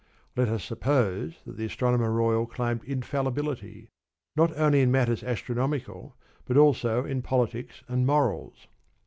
Let us suppose that the Astronomer Royal claimed infallibility, not only in matters astronomical, but also in politics and morals.